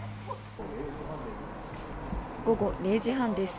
午後０時半です。